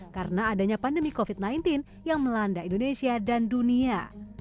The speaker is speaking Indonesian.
karena adanya pandemi covid sembilan belas yang melanda indonesia dan dunia